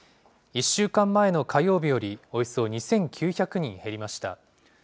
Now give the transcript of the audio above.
１週間前の火曜日より、およそ２９００人減りました。